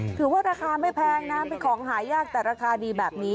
ถือว่าราคาไม่แพงนะเป็นของหายากแต่ราคาดีแบบนี้